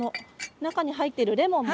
中に入っているレモンも。